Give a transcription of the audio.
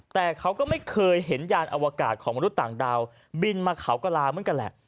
แต่เขาก็ไม่เคยเห็นยานอวกาศของมนุษย์ต่างดาวบินมาเขากระลาเหมือนกันแหละ